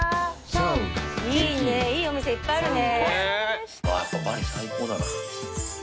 いいねいいお店いっぱいあるね。